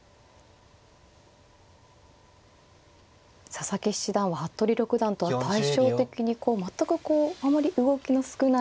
佐々木七段は服部六段とは対照的に全くこうあまり動きの少ない方ですね。